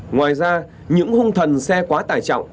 ngoài ra những hung thần xe quá tài trọng